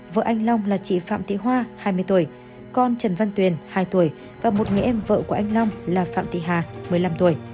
vợ anh long là chị phạm thị hoa hai mươi tuổi con trần văn tuyền hai tuổi và một người em vợ của anh long là phạm thị hà một mươi năm tuổi